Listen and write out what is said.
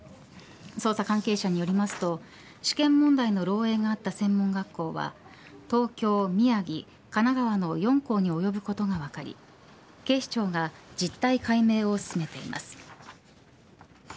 捜査関係者によりますと試験問題の漏えいがあった専門学校は東京、宮城、神奈川の４校に及ぶことが分かり警視庁が実態解明を進めています。